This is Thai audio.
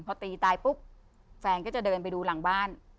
พอตีตายปุ๊บแฟนก็จะเดินไปดูหลังบ้าน